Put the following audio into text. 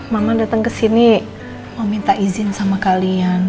mama datang kesini mau minta izin sama kalian